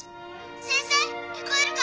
先生聞こえるか？